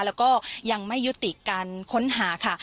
แล้วก็ยังไม่ยุติการค้นหาค่ะ